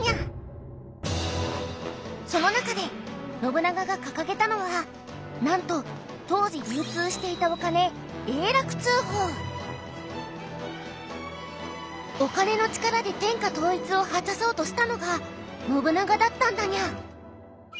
その中で信長が掲げたのはなんと当時流通していたお金お金の力で天下統一を果たそうとしたのが信長だったんだにゃ。